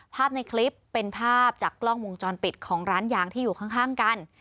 ภาพในคลิปเป็นภาพจากกล้องวงจรปิดของร้านยางที่อยู่ข้างกัน